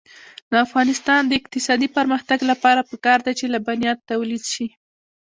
د افغانستان د اقتصادي پرمختګ لپاره پکار ده چې لبنیات تولید شي.